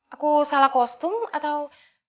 aku salah kostum atau